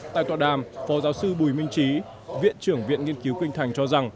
tại tọa đàm phó giáo sư bùi minh trí viện trưởng viện nghiên cứu kinh thành cho rằng